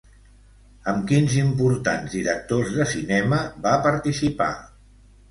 Amb quins importants directors de cinema va participar?